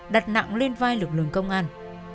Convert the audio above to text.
đặt nặng lên vai lực lượng công an